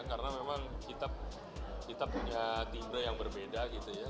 karena memang kita punya timbre yang berbeda gitu ya